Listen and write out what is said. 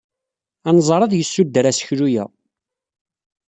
Anẓar ad d-yessudder aseklu-a.